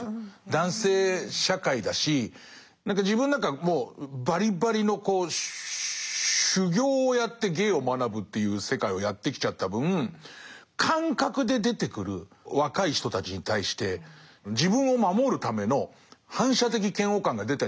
男性社会だし自分なんかもうばりばりの修業をやって芸を学ぶっていう世界をやってきちゃった分感覚で出てくる若い人たちに対して自分を守るための反射的嫌悪感が出たりする時があって。